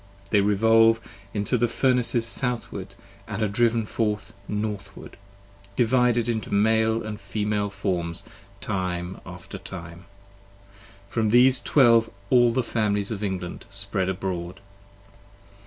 They revolve into the Furnaces Southward & are driven forth Northward, Divided into Male and Female forms time after time. From these Twelve all the Families of England spread abroad.